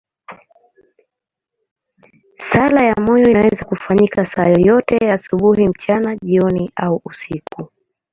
Sala ya moyo inaweza kufanyika saa yoyote, asubuhi, mchana, jioni au usiku.